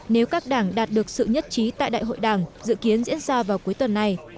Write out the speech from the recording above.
nếu các đảng đạt được sự nhất trí tại đại hội đảng dự kiến diễn ra vào cuối tuần này